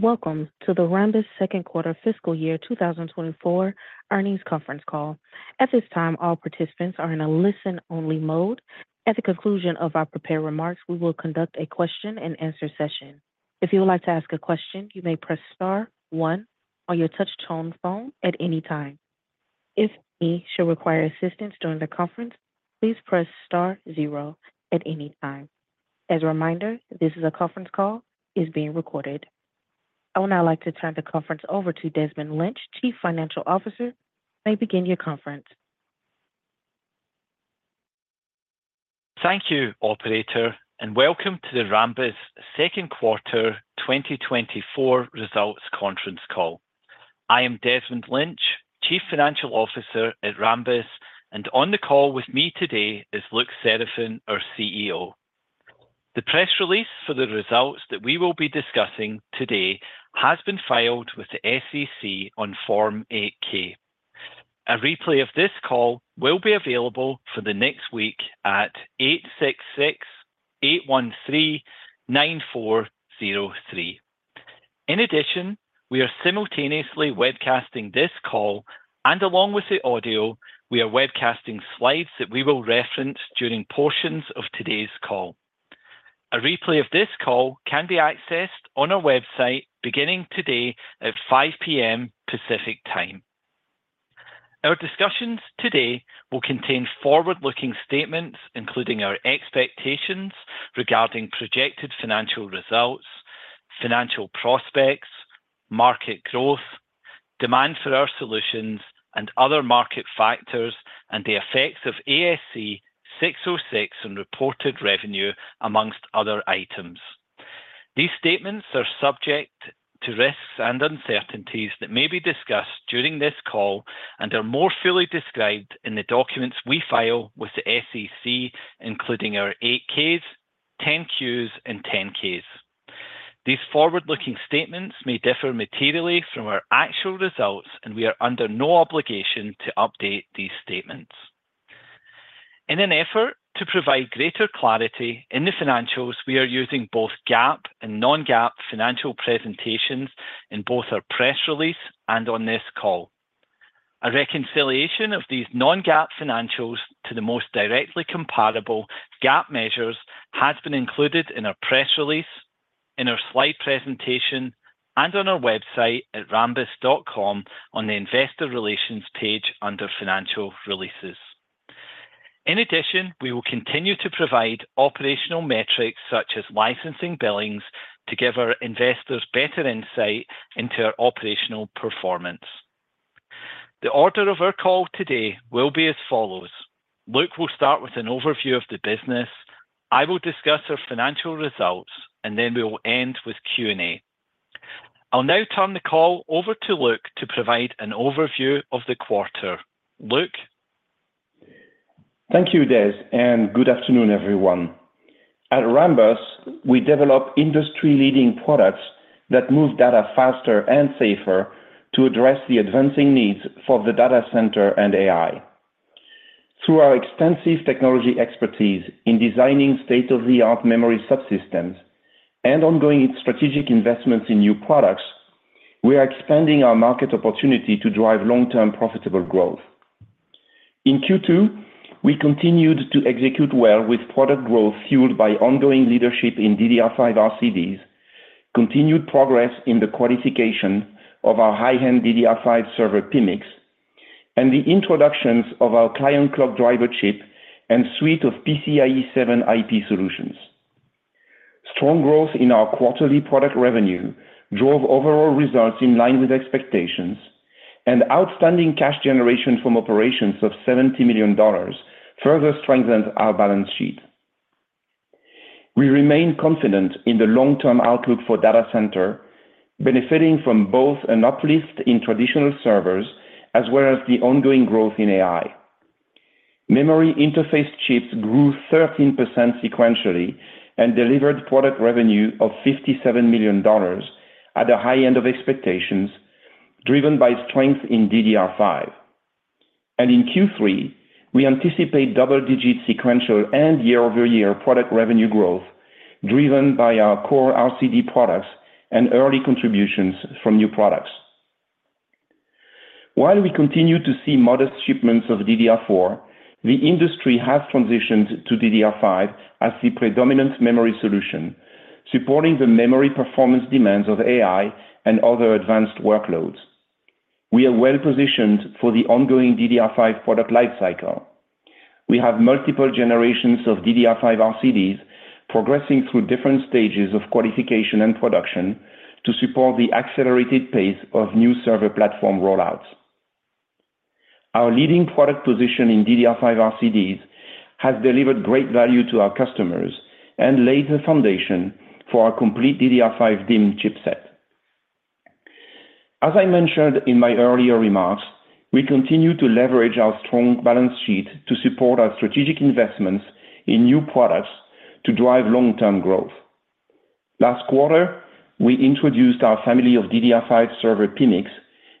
Welcome to the Rambus second quarter fiscal year 2024 earnings conference call. At this time, all participants are in a listen-only mode. At the conclusion of our prepared remarks, we will conduct a question-and-answer session. If you would like to ask a question, you may press star one on your touch-tone phone at any time. If you should require assistance during the conference, please press star zero at any time. As a reminder, this conference call is being recorded. I would now like to turn the conference over to Desmond Lynch, Chief Financial Officer. You may begin your conference. Thank you, operator, and welcome to the Rambus second quarter 2024 results conference call. I am Desmond Lynch, Chief Financial Officer at Rambus, and on the call with me today is Luc Seraphin, our CEO. The press release for the results that we will be discussing today has been filed with the SEC on Form 8-K. A replay of this call will be available for the next week at 866-813-9403. In addition, we are simultaneously webcasting this call, and along with the audio, we are webcasting slides that we will reference during portions of today's call. A replay of this call can be accessed on our website beginning today at 5 P.M. Pacific Time. Our discussions today will contain forward-looking statements, including our expectations regarding projected financial results, financial prospects, market growth, demand for our solutions and other market factors, and the effects of ASC 606 on reported revenue, among other items. These statements are subject to risks and uncertainties that may be discussed during this call and are more fully described in the documents we file with the SEC, including our 8-Ks, 10-Qs, and 10-Ks. These forward-looking statements may differ materially from our actual results, and we are under no obligation to update these statements. In an effort to provide greater clarity in the financials, we are using both GAAP and non-GAAP financial presentations in both our press release and on this call. A reconciliation of these non-GAAP financials to the most directly comparable GAAP measures has been included in our press release, in our slide presentation, and on our website at rambus.com on the Investor Relations page under Financial Releases. In addition, we will continue to provide operational metrics such as licensing billings to give our investors better insight into our operational performance. The order of our call today will be as follows: Luc will start with an overview of the business, I will discuss our financial results, and then we will end with Q&A. I'll now turn the call over to Luc to provide an overview of the quarter. Luc? Thank you, Des, and good afternoon, everyone. At Rambus, we develop industry-leading products that move data faster and safer to address the advancing needs for the data center and AI. Through our extensive technology expertise in designing state-of-the-art memory subsystems and ongoing strategic investments in new products, we are expanding our market opportunity to drive long-term profitable growth. In Q2, we continued to execute well with product growth fueled by ongoing leadership in DDR5 RCDs, continued progress in the qualification of our high-end DDR5 server PMICs, and the introductions of our Client Clock Driver chip and suite of PCIe 7 IP solutions. Strong growth in our quarterly product revenue drove overall results in line with expectations, and outstanding cash generation from operations of $70 million further strengthens our balance sheet. We remain confident in the long-term outlook for data center, benefiting from both an uplift in traditional servers as well as the ongoing growth in AI. Memory interface chips grew 13% sequentially and delivered product revenue of $57 million at the high end of expectations, driven by strength in DDR5. In Q3, we anticipate double-digit sequential and year-over-year product revenue growth, driven by our core RCD products and early contributions from new products. While we continue to see modest shipments of DDR4, the industry has transitioned to DDR5 as the predominant memory solution, supporting the memory performance demands of AI and other advanced workloads. We are well-positioned for the ongoing DDR5 product lifecycle. We have multiple generations of DDR5 RCDs progressing through different stages of qualification and production to support the accelerated pace of new server platform rollouts. Our leading product position in DDR5 RCDs has delivered great value to our customers and laid the foundation for our complete DDR5 DIMM chipset. As I mentioned in my earlier remarks, we continue to leverage our strong balance sheet to support our strategic investments in new products to drive long-term growth. Last quarter, we introduced our family of DDR5 server PMICs,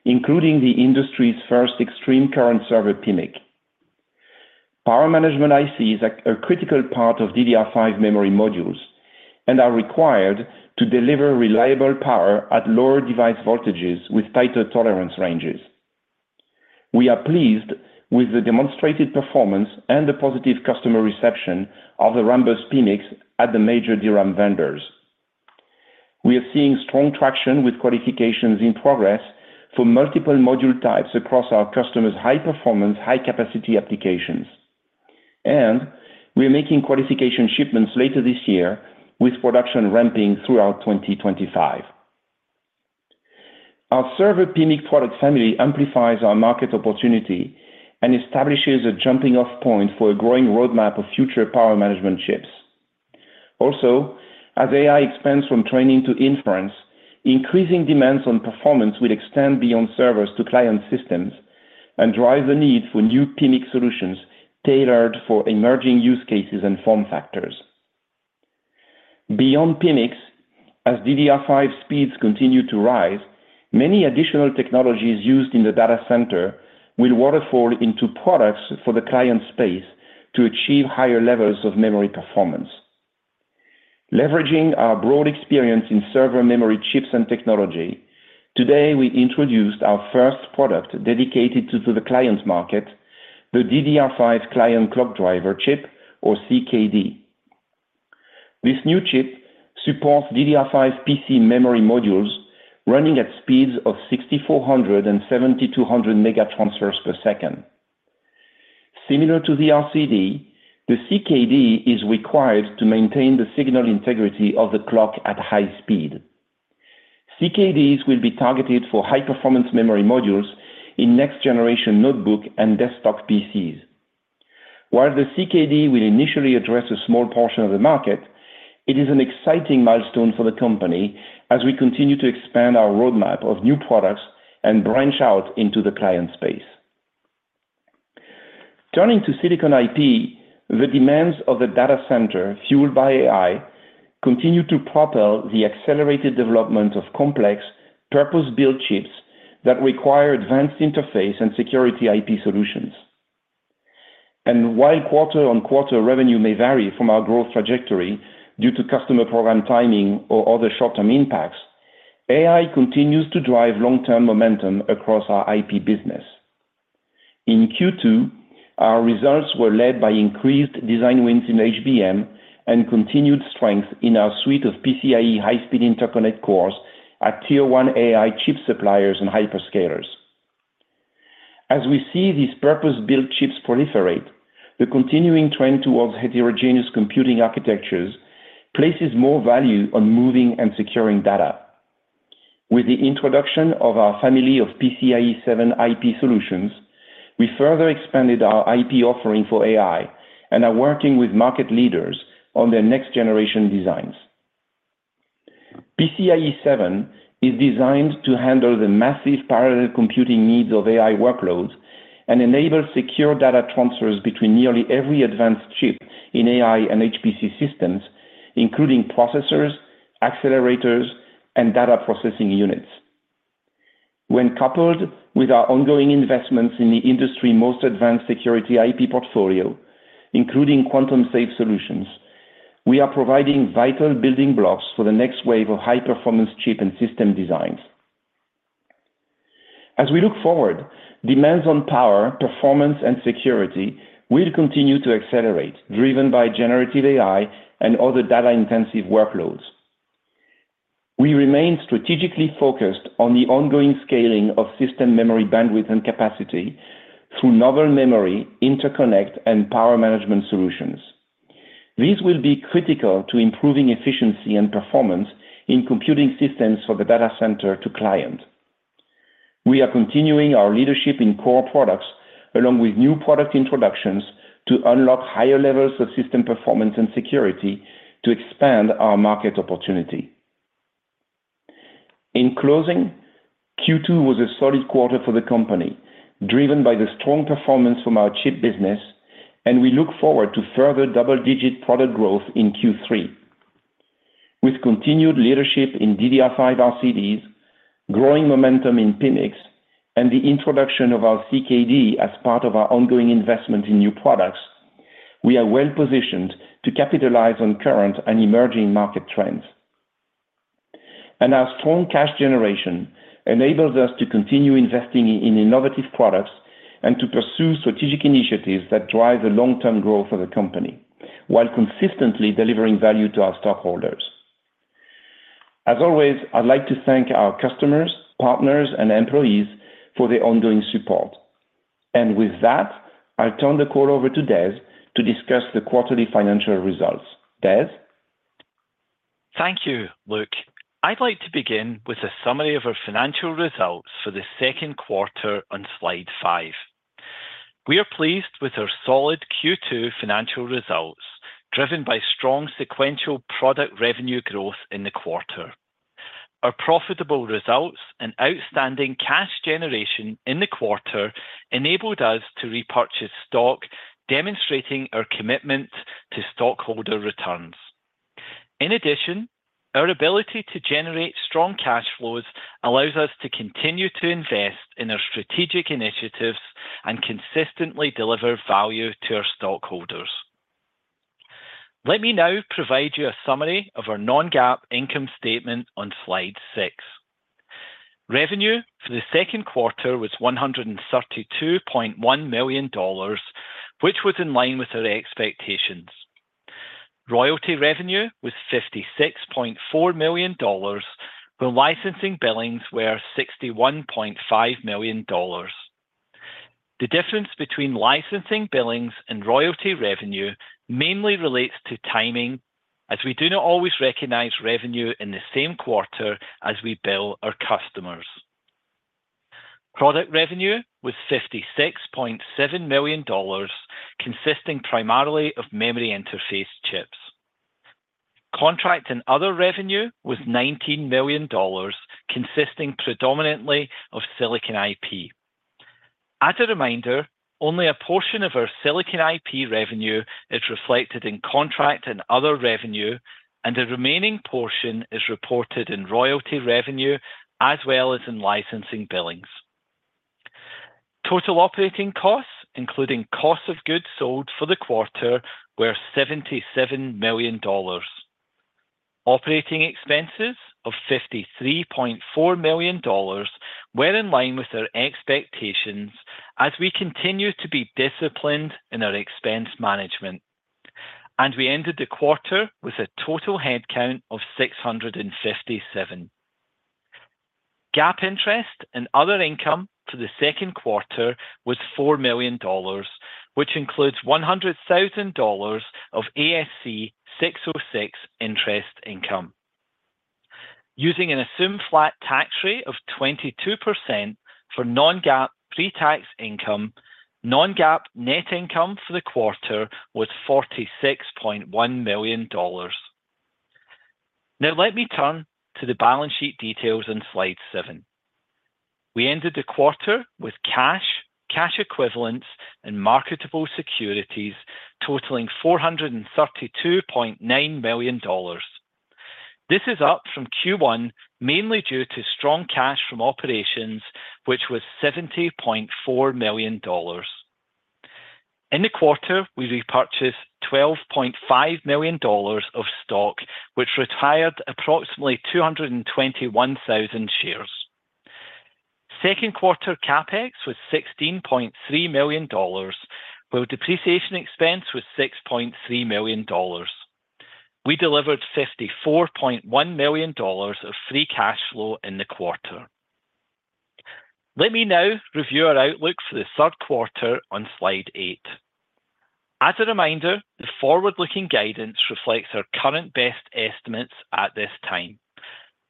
including the industry's first extreme current server PMIC. Power management IC is a critical part of DDR5 memory modules and are required to deliver reliable power at lower device voltages with tighter tolerance ranges. We are pleased with the demonstrated performance and the positive customer reception of the Rambus PMIC at the major DRAM vendors. We are seeing strong traction with qualifications in progress for multiple module types across our customers' high-performance, high-capacity applications. We are making qualification shipments later this year, with production ramping throughout 2025. Our server PMIC product family amplifies our market opportunity and establishes a jumping-off point for a growing roadmap of future power management chips. Also, as AI expands from training to inference, increasing demands on performance will extend beyond servers to client systems and drive the need for new PMIC solutions tailored for emerging use cases and form factors. Beyond PMIC, as DDR5 speeds continue to rise, many additional technologies used in the data center will waterfall into products for the client space to achieve higher levels of memory performance. Leveraging our broad experience in server memory chips and technology, today, we introduced our first product dedicated to the client market, the DDR5 Client Clock Driver chip, or CKD. This new chip supports DDR5 PC memory modules running at speeds of 6400-7200 MT/s. Similar to the RCD, the CKD is required to maintain the signal integrity of the clock at high speed. CKDs will be targeted for high-performance memory modules in next-generation notebook and desktop PCs. While the CKD will initially address a small portion of the market, it is an exciting milestone for the company as we continue to expand our roadmap of new products and branch out into the client space. Turning to Silicon IP, the demands of the data center, fueled by AI, continue to propel the accelerated development of complex, purpose-built chips that require advanced interface and security IP solutions. While quarter-on-quarter revenue may vary from our growth trajectory due to customer program timing or other short-term impacts, AI continues to drive long-term momentum across our IP business. In Q2, our results were led by increased design wins in HBM and continued strength in our suite of PCIe high-speed interconnect cores at tier-one AI chip suppliers and hyperscalers. As we see these purpose-built chips proliferate, the continuing trend towards heterogeneous computing architectures places more value on moving and securing data. With the introduction of our family of PCIe 7 IP solutions, we further expanded our IP offering for AI and are working with market leaders on their next-generation designs. PCIe 7 is designed to handle the massive parallel computing needs of AI workloads and enable secure data transfers between nearly every advanced chip in AI and HPC systems, including processors, accelerators, and data processing units. When coupled with our ongoing investments in the industry's most advanced security IP portfolio, including quantum-safe solutions, we are providing vital building blocks for the next wave of high-performance chip and system designs. As we look forward, demands on power, performance, and security will continue to accelerate, driven by generative AI and other data-intensive workloads. We remain strategically focused on the ongoing scaling of system memory, bandwidth, and capacity through novel memory, interconnect, and power management solutions. These will be critical to improving efficiency and performance in computing systems for the data center to client. We are continuing our leadership in core products, along with new product introductions, to unlock higher levels of system performance and security to expand our market opportunity. In closing, Q2 was a solid quarter for the company, driven by the strong performance from our chip business, and we look forward to further double-digit product growth in Q3. With continued leadership in DDR5 RCDs, growing momentum in PMIC, and the introduction of our CKD as part of our ongoing investment in new products, we are well positioned to capitalize on current and emerging market trends. Our strong cash generation enables us to continue investing in innovative products and to pursue strategic initiatives that drive the long-term growth of the company, while consistently delivering value to our stockholders. As always, I'd like to thank our customers, partners, and employees for their ongoing support. And with that, I'll turn the call over to Des to discuss the quarterly financial results. Des? Thank you, Luc. I'd like to begin with a summary of our financial results for the second quarter on slide 5. We are pleased with our solid Q2 financial results, driven by strong sequential product revenue growth in the quarter. Our profitable results and outstanding cash generation in the quarter enabled us to repurchase stock, demonstrating our commitment to stockholder returns. In addition, our ability to generate strong cash flows allows us to continue to invest in our strategic initiatives and consistently deliver value to our stockholders. Let me now provide you a summary of our non-GAAP income statement on slide 6. Revenue for the second quarter was $132.1 million, which was in line with our expectations. Royalty revenue was $56.4 million, while licensing billings were $61.5 million. The difference between licensing billings and royalty revenue mainly relates to timing, as we do not always recognize revenue in the same quarter as we bill our customers. Product revenue was $56.7 million, consisting primarily of memory interface chips. Contract and other revenue was $19 million, consisting predominantly of Silicon IP. As a reminder, only a portion of our Silicon IP revenue is reflected in contract and other revenue, and the remaining portion is reported in royalty revenue as well as in licensing billings. Total operating costs, including cost of goods sold for the quarter, were $77 million. Operating expenses of $53.4 million were in line with our expectations as we continue to be disciplined in our expense management, and we ended the quarter with a total headcount of 657. GAAP interest and other income for the second quarter was $4 million, which includes $100,000 of ASC 606 interest income. Using an assumed flat tax rate of 22% for non-GAAP pre-tax income, non-GAAP net income for the quarter was $46.1 million. Now, let me turn to the balance sheet details on slide 7. We ended the quarter with cash, cash equivalents, and marketable securities totaling $432.9 million. This is up from Q1, mainly due to strong cash from operations, which was $70.4 million. In the quarter, we repurchased $12.5 million of stock, which retired approximately 221,000 shares. Second quarter CapEx was $16.3 million, while depreciation expense was $6.3 million. We delivered $54.1 million of free cash flow in the quarter. Let me now review our outlook for the third quarter on slide 8. As a reminder, the forward-looking guidance reflects our current best estimates at this time.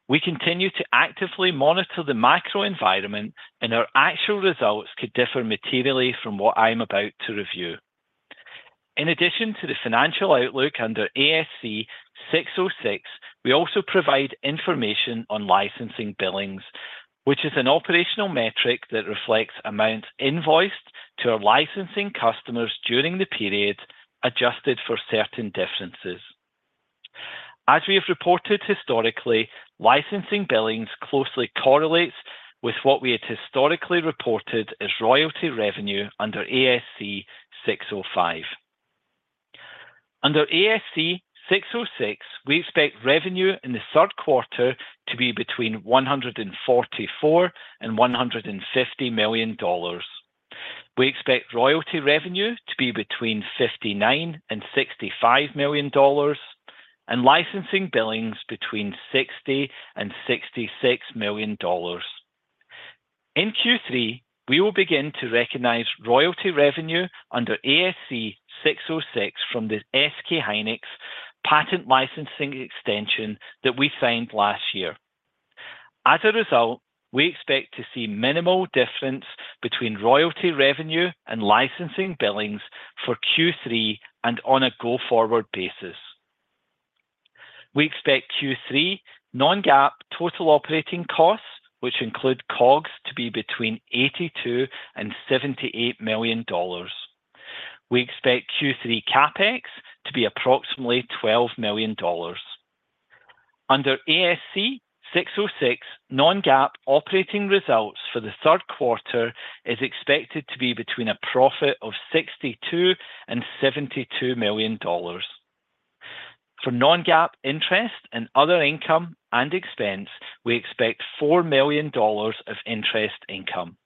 We continue to actively monitor the macro environment, and our actual results could differ materially from what I'm about to review. In addition to the financial outlook under ASC 606, we also provide information on licensing billings, which is an operational metric that reflects amounts invoiced to our licensing customers during the period, adjusted for certain differences. As we have reported historically, licensing billings closely correlates with what we had historically reported as royalty revenue under ASC 605. Under ASC 606, we expect revenue in the third quarter to be between $144 million and $150 million. We expect royalty revenue to be between $59 million and $65 million and licensing billings between $60 million and $66 million. In Q3, we will begin to recognize royalty revenue under ASC 606 from the SK hynix patent licensing extension that we signed last year. As a result, we expect to see minimal difference between royalty revenue and licensing billings for Q3 and on a go-forward basis. We expect Q3 non-GAAP total operating costs, which include COGS, to be between $82 million and $78 million. We expect Q3 CapEx to be approximately $12 million. Under ASC 606, non-GAAP operating results for the third quarter is expected to be between a profit of $62 million and $72 million. For non-GAAP interest and other income and expense, we expect $4 million of interest income.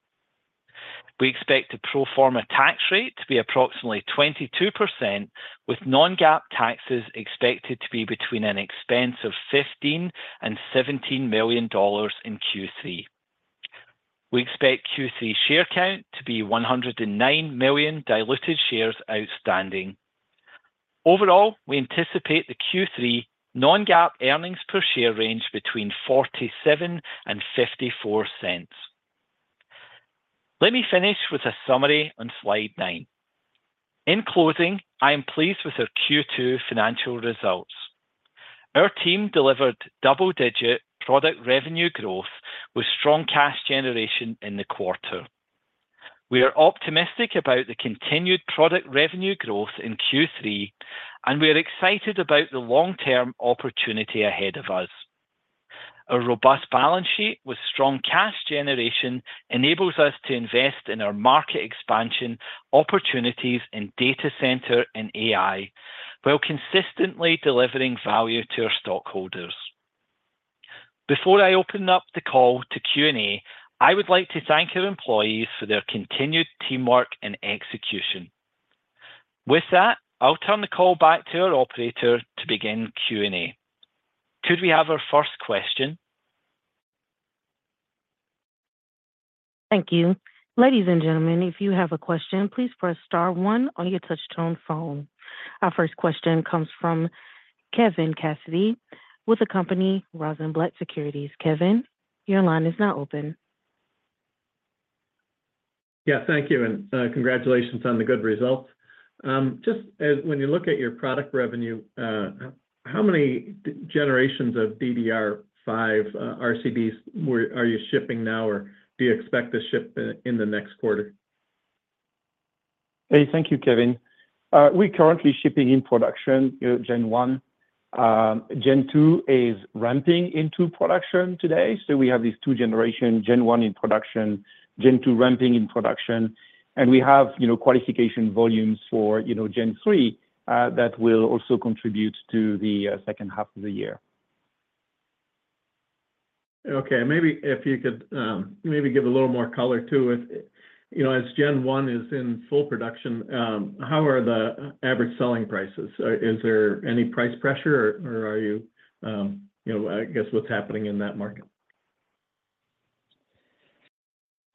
We expect the pro forma tax rate to be approximately 22%, with non-GAAP taxes expected to be between an expense of $15 million and $17 million in Q3. We expect Q3 share count to be 109 million diluted shares outstanding. Overall, we anticipate the Q3 non-GAAP earnings per share range between $0.47 and $0.54. Let me finish with a summary on slide 9. In closing, I am pleased with our Q2 financial results. Our team delivered double-digit product revenue growth with strong cash generation in the quarter. We are optimistic about the continued product revenue growth in Q3, and we are excited about the long-term opportunity ahead of us. Our robust balance sheet with strong cash generation enables us to invest in our market expansion opportunities in data center and AI, while consistently delivering value to our stockholders. Before I open up the call to Q&A, I would like to thank our employees for their continued teamwork and execution. With that, I'll turn the call back to our operator to begin Q&A. Could we have our first question? Thank you. Ladies and gentlemen, if you have a question, please press star one on your touch-tone phone. Our first question comes from Kevin Cassidy with the company Rosenblatt Securities. Kevin, your line is now open. Yeah, thank you, and, congratulations on the good results. Just as when you look at your product revenue, how many generations of DDR5 RCDs are you shipping now, or do you expect to ship in the next quarter? Hey, thank you, Kevin. We're currently shipping in production, you know, Gen 1. Gen 2 is ramping into production today. So we have these two generations, Gen 1 in production, Gen 2 ramping in production, and we have, you know, qualification volumes for, you know, gen 3 that will also contribute to the second half of the year. Okay, maybe if you could, maybe give a little more color to it. You know, as Gen 1 is in full production, how are the average selling prices? Is there any price pressure, or, or are you, you know... I guess, what's happening in that market?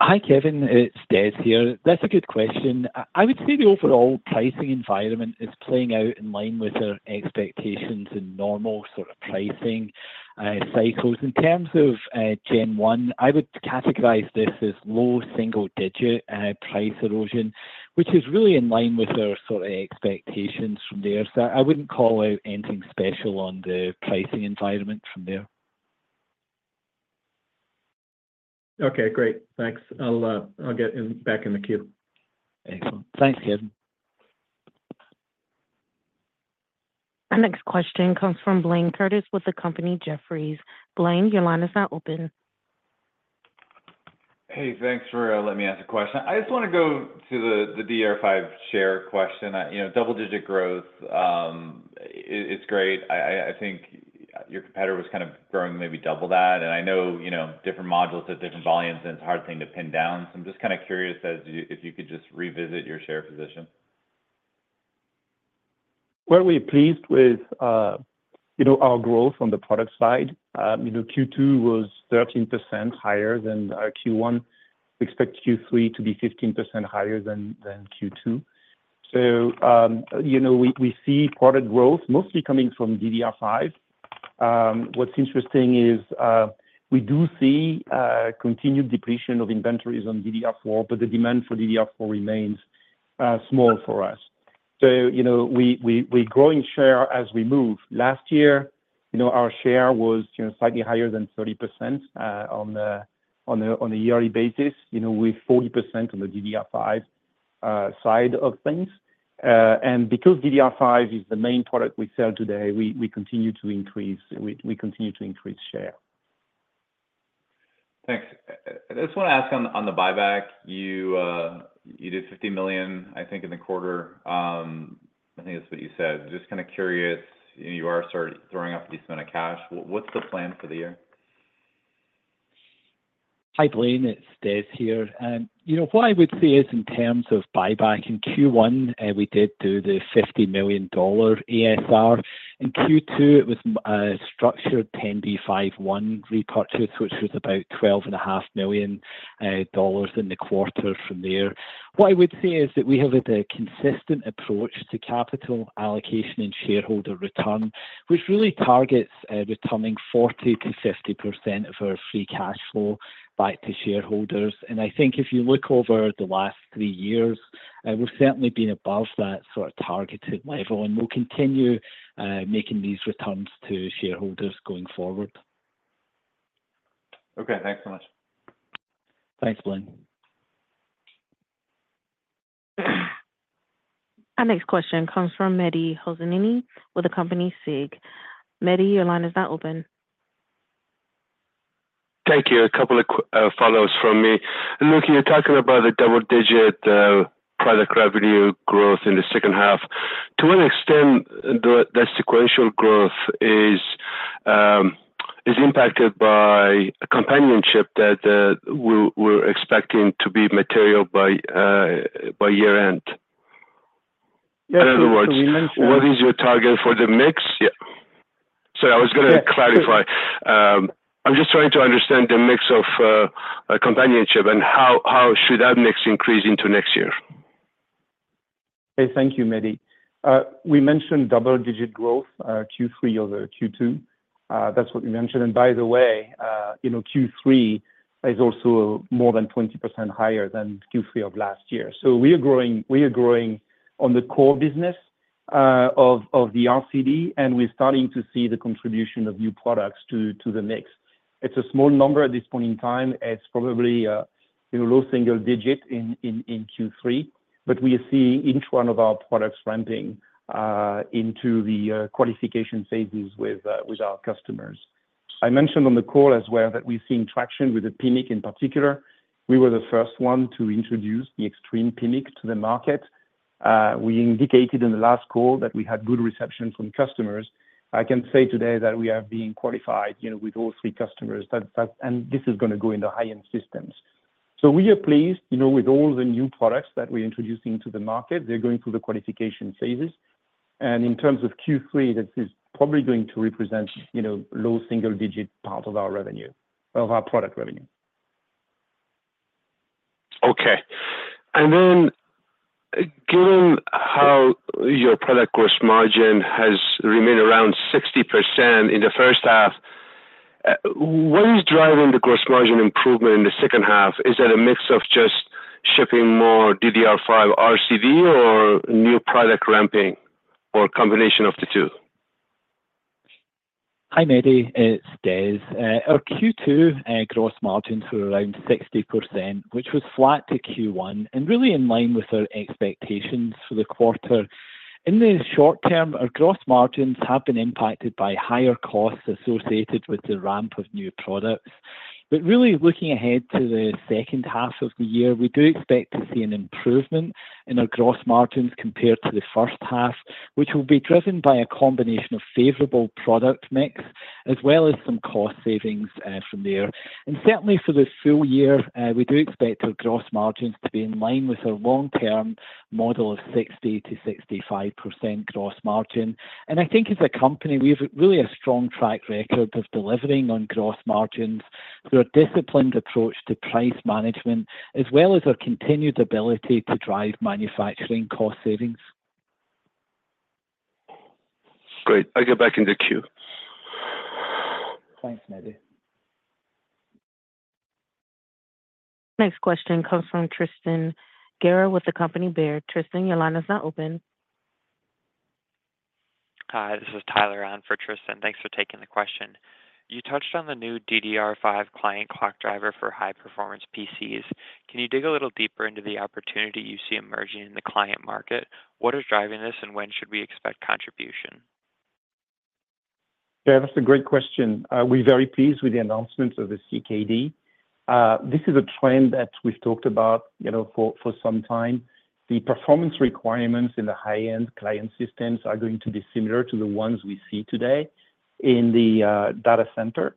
Hi, Kevin, it's Des here. That's a good question. I would say the overall pricing environment is playing out in line with our expectations and normal sort of pricing cycles. In terms of Gen 1, I would categorize this as low single-digit price erosion, which is really in line with our sort of expectations from there. So I wouldn't call out anything special on the pricing environment from there. Okay, great. Thanks. I'll get back in the queue. Excellent. Thanks, Kevin. Our next question comes from Blayne Curtis with the company Jefferies. Blaine, your line is now open. Hey, thanks for letting me ask a question. I just wanna go to the DDR5 share question. You know, double-digit growth, it's great. I think your competitor was kind of growing maybe double that, and I know, you know, different modules at different volumes, and it's a hard thing to pin down. So I'm just kind of curious as to if you could just revisit your share position. Well, we're pleased with, you know, our growth on the product side. You know, Q2 was 13% higher than our Q1. We expect Q3 to be 15% higher than Q2. So, you know, we see product growth mostly coming from DDR5. What's interesting is, we do see continued depletion of inventories on DDR4, but the demand for DDR4 remains small for us. So, you know, we're growing share as we move. Last year, you know, our share was, you know, slightly higher than 30% on a yearly basis. You know, we're 40% on the DDR5 side of things. And because DDR5 is the main product we sell today, we continue to increase share. Thanks. I just wanna ask on the buyback. You did $50 million, I think, in the quarter. I think that's what you said. Just kind of curious, you are sort of throwing off this amount of cash. What's the plan for the year? Hi, Blaine, it's Des here. You know, what I would say is in terms of buyback, in Q1, we did do the $50 million ASR. In Q2, it was structured 10b5-1 repurchase, which was about $12.5 million dollars in the quarter from there. What I would say is that we have a consistent approach to capital allocation and shareholder return, which really targets returning 40%-50% of our free cash flow back to shareholders. And I think if you look over the last three years, we've certainly been above that sort of targeted level, and we'll continue making these returns to shareholders going forward. Okay, thanks so much. Thanks, Blaine. Our next question comes from Mehdi Hosseini with the company SIG. Mehdi, your line is now open. Thank you. A couple of follows from me. Look, you're talking about the double-digit product revenue growth in the second half. To what extent the, the sequential growth is, is impacted by a companion chip that, we're, we're expecting to be material by, by year-end? Yes, we understand- In other words, what is your target for the mix? Yeah. Sorry, I was gonna clarify. Yeah, sure. I'm just trying to understand the mix of companion chip and how should that mix increase into next year? Hey, thank you, Mehdi. We mentioned double-digit growth, Q3 over Q2. That's what we mentioned. And by the way, you know, Q3 is also more than 20% higher than Q3 of last year. So we are growing, we are growing on the core business of the RCD, and we're starting to see the contribution of new products to the mix. It's a small number at this point in time. It's probably, you know, low single-digit in Q3, but we see each one of our products ramping into the qualification phases with our customers. I mentioned on the call as well, that we've seen traction with the PMIC in particular. We were the first one to introduce the extreme PMIC to the market. We indicated in the last call that we had good reception from customers. I can say today that we are being qualified, you know, with all three customers, and this is gonna go into high-end systems. So we are pleased, you know, with all the new products that we're introducing to the market. They're going through the qualification phases. And in terms of Q3, this is probably going to represent, you know, low single digit part of our revenue, of our product revenue. Okay. And then, given how your product gross margin has remained around 60% in the first half, what is driving the gross margin improvement in the second half? Is that a mix of just shipping more DDR5 RCD or new product ramping, or a combination of the two? Hi, Mehdi. It's Des. Our Q2 gross margins were around 60%, which was flat to Q1 and really in line with our expectations for the quarter. In the short term, our gross margins have been impacted by higher costs associated with the ramp of new products. But really, looking ahead to the second half of the year, we do expect to see an improvement in our gross margins compared to the first half, which will be driven by a combination of favorable product mix, as well as some cost savings from there. And certainly for the full year, we do expect our gross margins to be in line with our long-term model of 60%-65% gross margin. I think as a company, we have really a strong track record of delivering on gross margins through a disciplined approach to price management, as well as our continued ability to drive manufacturing cost savings. Great. I'll get back in the queue. Thanks, Mehdi. Next question comes from Tristan Gerra with the company Baird. Tristan, your line is now open. Hi, this is Tyler on for Tristan. Thanks for taking the question. You touched on the new DDR5 Client Clock Driver for high-performance PCs. Can you dig a little deeper into the opportunity you see emerging in the client market? What is driving this, and when should we expect contribution? Yeah, that's a great question. We're very pleased with the announcement of the CKD. This is a trend that we've talked about, you know, for some time. The performance requirements in the high-end client systems are going to be similar to the ones we see today in the data center.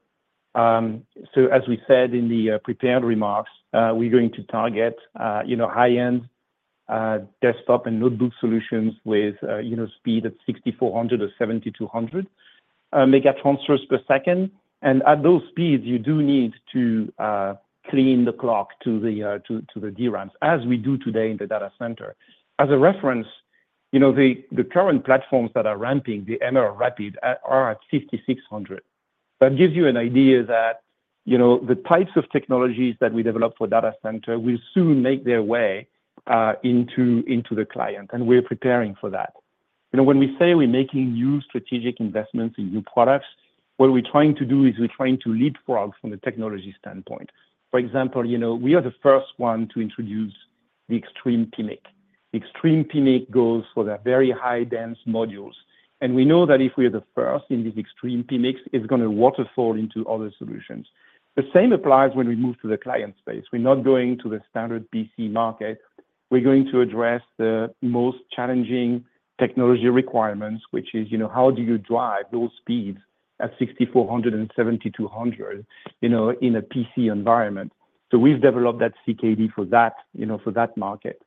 So as we said in the prepared remarks, we're going to target, you know, high-end desktop and notebook solutions with, you know, speed of 6400 MT/s or 7200 MT/s. And at those speeds, you do need to clean the clock to the DRAMs, as we do today in the data center. As a reference, you know, the current platforms that are ramping, the MRDIMM, are at 5600 MT/s. That gives you an idea that, you know, the types of technologies that we develop for data center will soon make their way into the client, and we're preparing for that. You know, when we say we're making new strategic investments in new products, what we're trying to do is we're trying to leapfrog from a technology standpoint. For example, you know, we are the first one to introduce the Extreme PMIC. Extreme PMIC goes for the very high-density modules, and we know that if we are the first in this Extreme PMIC, it's gonna waterfall into other solutions. The same applies when we move to the client space. We're not going to the standard PC market. We're going to address the most challenging technology requirements, which is, you know, how do you drive those speeds at 6400 MT/s and 7200 MT/s, you know, in a PC environment? So we've developed that CKD for that, you know, for that market.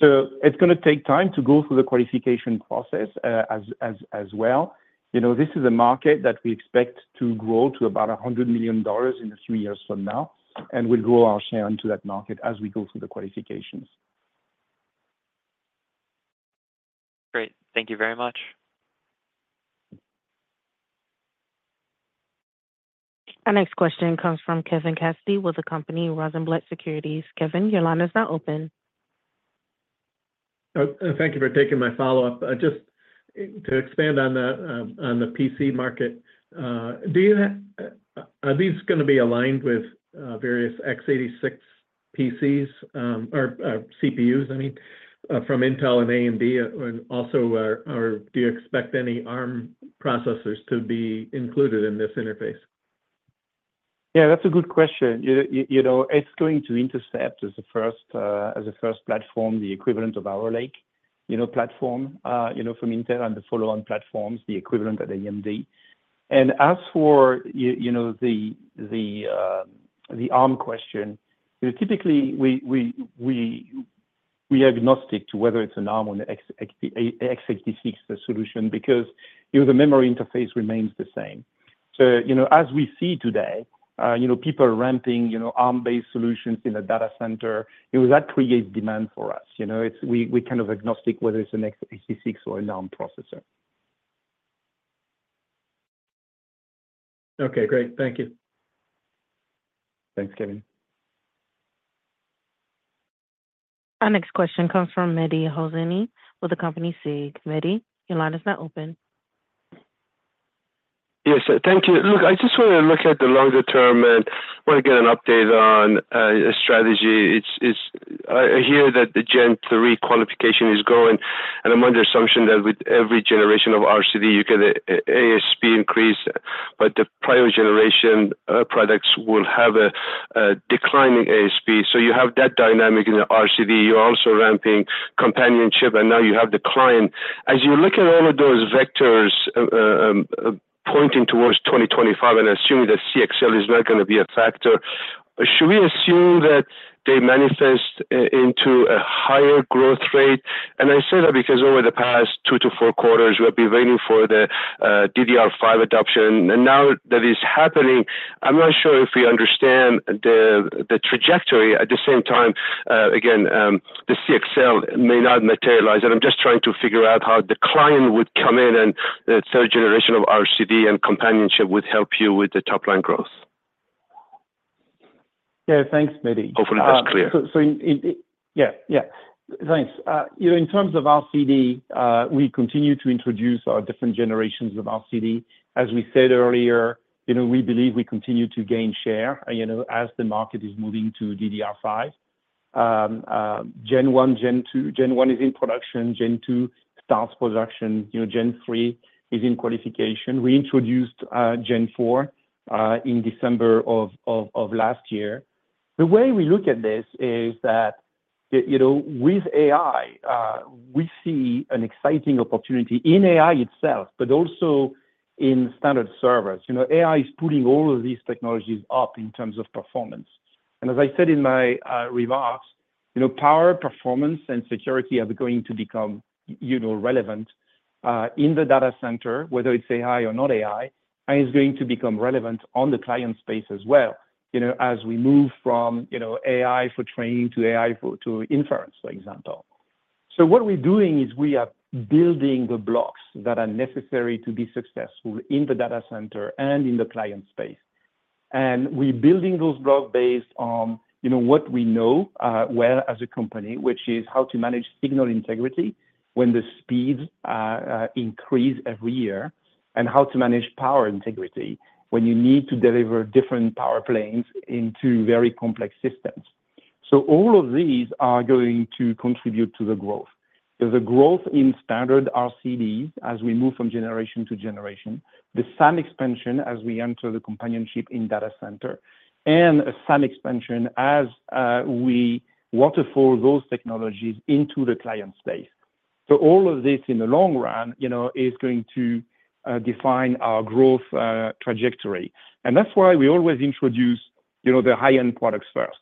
So it's gonna take time to go through the qualification process, as well. You know, this is a market that we expect to grow to about $100 million in the three years from now, and we'll grow our share into that market as we go through the qualifications. Great. Thank you very much. Our next question comes from Kevin Cassidy with the company Rosenblatt Securities. Kevin, your line is now open. Thank you for taking my follow-up. Just to expand on the PC market, are these gonna be aligned with various x86 PCs, or CPUs, I mean, from Intel and AMD? And also, or do you expect any ARM processors to be included in this interface? Yeah, that's a good question. You know, it's going to intercept as the first, as a first platform, the equivalent of Arrow Lake, you know, platform, you know, from Intel and the follow-on platforms, the equivalent at AMD. And as for, you know, the ARM question, you know, typically, we are agnostic to whether it's an ARM or an x86 solution, because, you know, the memory interface remains the same. So, you know, as we see today, you know, people are ramping, you know, ARM-based solutions in a data center. That creates demand for us. You know, we kind of agnostic whether it's an x86 or an ARM processor. Okay, great. Thank you. Thanks, Kevin. Our next question comes from Mehdi Hosseini with the company SIG. Mehdi, your line is now open. Yes, thank you. Look, I just want to look at the longer term and want to get an update on a strategy. It's—I hear that the Gen 3 qualification is growing, and I'm under the assumption that with every generation of RCD, you get a ASP increase, but the prior generation products will have a declining ASP. So you have that dynamic in the RCD. You're also ramping companion chip, and now you have decline. As you look at all of those vectors pointing towards 2025 and assuming that CXL is not gonna be a factor, should we assume that they manifest into a higher growth rate? I say that because over the past 2-4 quarters, we have been waiting for the DDR5 adoption, and now that it's happening, I'm not sure if we understand the trajectory. At the same time, again, the CXL may not materialize, and I'm just trying to figure out how decline would come in, and the third generation of RCD and companion chips would help you with the top line growth. Yeah, thanks, Mehdi. Hopefully that's clear. You know, in terms of RCD, we continue to introduce our different generations of RCD. As we said earlier, you know, we believe we continue to gain share, you know, as the market is moving to DDR5. Gen 1, Gen 2. Gen 1 is in production, Gen 2 starts production, you know, Gen 3 is in qualification. We introduced Gen four in December of last year. The way we look at this is that, you know, with AI, we see an exciting opportunity in AI itself, but also in standard servers. You know, AI is putting all of these technologies up in terms of performance. As I said in my remarks, you know, power, performance, and security are going to become, you know, relevant in the data center, whether it's AI or not AI, and it's going to become relevant on the client space as well, you know, as we move from, you know, AI for training to AI for, to inference, for example. What we're doing is we are building the blocks that are necessary to be successful in the data center and in the client space. We're building those blocks based on, you know, what we know well as a company, which is how to manage signal integrity when the speeds increase every year, and how to manage power integrity when you need to deliver different power planes into very complex systems. All of these are going to contribute to the growth. There's a growth in standard RCD as we move from generation to generation, the DRAM expansion as we enter the competition in the data center, and a DRAM expansion as we waterfall those technologies into the client space. So all of this, in the long run, you know, is going to define our growth trajectory. And that's why we always introduce, you know, the high-end products first.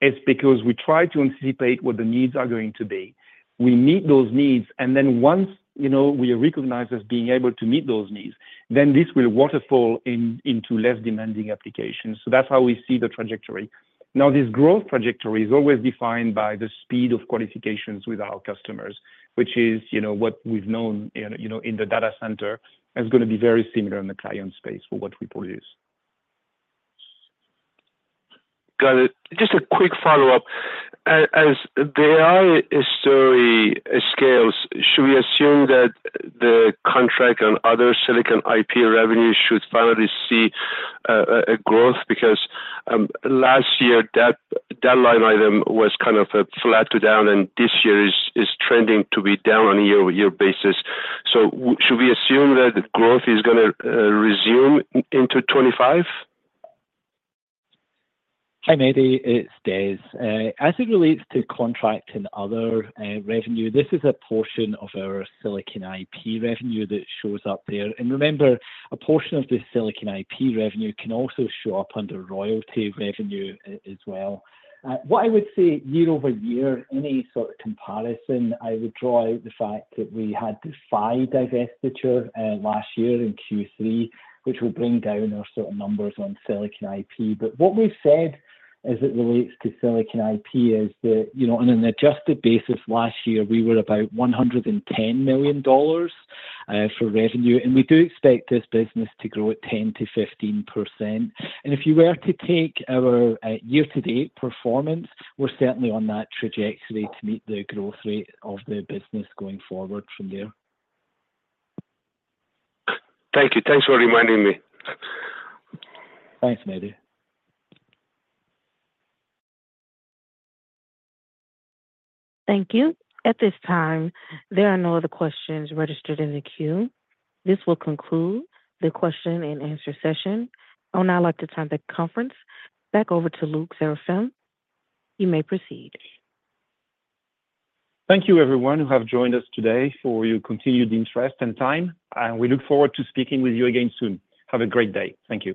It's because we try to anticipate what the needs are going to be. We meet those needs, and then once, you know, we are recognized as being able to meet those needs, then this will waterfall into less demanding applications. So that's how we see the trajectory. Now, this growth trajectory is always defined by the speed of qualifications with our customers, which is, you know, what we've known in, you know, in the data center, and it's gonna be very similar in the client space for what we produce. Got it. Just a quick follow-up. As the AI story scales, should we assume that the contract and other Silicon IP revenue should finally see a growth? Because last year, that line item was kind of flat to down, and this year is trending to be down on a year-over-year basis. So should we assume that the growth is gonna resume into 2025? Hi, Mehdi, it's Des. As it relates to contract and other revenue, this is a portion of our Silicon IP revenue that shows up there. And remember, a portion of the Silicon IP revenue can also show up under royalty revenue as well. What I would say year-over-year, any sort of comparison, I would draw out the fact that we had the PHY divestiture last year in Q3, which will bring down our sort of numbers on Silicon IP. But what we've said as it relates to Silicon IP is that, you know, on an adjusted basis, last year, we were about $110 million for revenue, and we do expect this business to grow at 10%-15%. If you were to take our year-to-date performance, we're certainly on that trajectory to meet the growth rate of the business going forward from there. Thank you. Thanks for reminding me. Thanks, Mehdi. Thank you. At this time, there are no other questions registered in the queue. This will conclude the question-and-answer session. I would now like to turn the conference back over to Luc Seraphin. You may proceed. Thank you, everyone, who have joined us today for your continued interest and time, and we look forward to speaking with you again soon. Have a great day. Thank you.